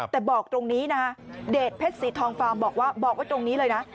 แต่บอกตรงนี้นะเดชน์เพชรศรีทองฟาร์มบอกว่าตรงนี้เลยนะ